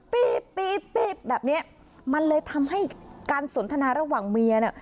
ปี๊บแบบเนี้ยมันเลยทำให้การสนทนาระหว่างเมียเนี่ย